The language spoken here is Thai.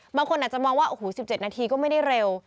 บางคนอาจจะมองว่าโอ้โห๑๗นาทีก็ไม่ได้เร็ว